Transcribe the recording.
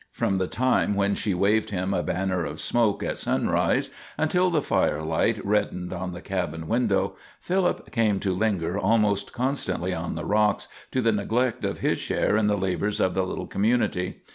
From the time when she waved him a banner of smoke at sunrise until the firelight reddened on the cabin window, Philip came to linger almost constantly on the rocks, to the neglect of his share in the labors of the little community.